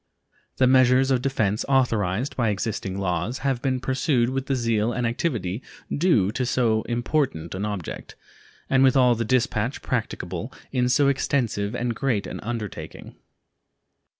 The measures of defense authorized by existing laws have been pursued with the zeal and activity due to so important an object, and with all the dispatch practicable in so extensive and great an undertaking.